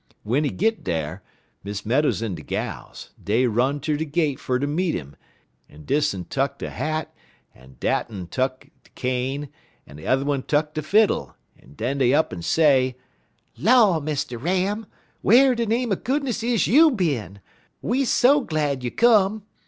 W'en he git dar, Miss Meadows en de gals, dey run ter de gate fer ter meet 'im, en dis un tuck he hat, en dat un tuck he cane, en t'er'n tuck he fiddle, en den dey up'n say: "'Law, Mr. Ram! whar de name er goodness is you bin? We so glad you come.